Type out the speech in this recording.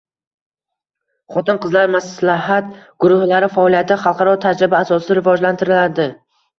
Xotin-qizlar maslahat guruhlari faoliyati xalqaro tajriba asosida rivojlantirilading